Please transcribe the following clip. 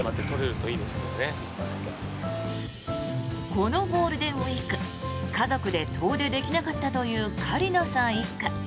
このゴールデンウィーク家族で遠出できなかったという狩野さん一家。